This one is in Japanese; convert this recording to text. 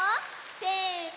せの。